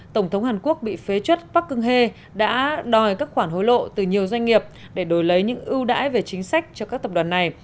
tổng thống hàn quốc bị phế chất park cưng he đã đòi các khoản hối lộ từ nhiều doanh nghiệp để đổi lấy những ưu đãi về chính sách cho các tập đoàn này